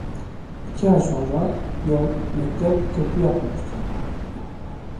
İki ay sonra yol, mektep, köprü yapılmıştı.